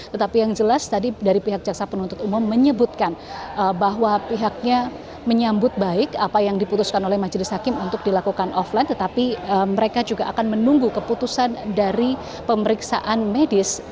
tetapi yang jelas tadi dari pihak jaksa penuntut umum menyebutkan bahwa pihaknya menyambut baik apa yang diputuskan oleh majelis hakim untuk dilakukan offline tetapi mereka juga akan menunggu keputusan dari pemeriksaan medis